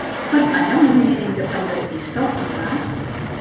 Pertany al moviment independentista el Tomás?